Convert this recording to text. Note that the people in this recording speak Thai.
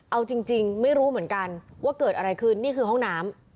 เอาจริงไม่รู้เหมือนกันว่าเกิดอะไรขึ้นนี่คือห้องน้ำ